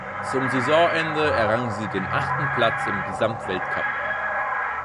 Zum Saisonende errang sie den achten Platz im Gesamtweltcup.